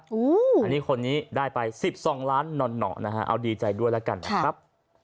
อันนี้คนนี้ได้ไป๑๒ล้านหน่อนะฮะเอาดีใจด้วยแล้วกันนะครับ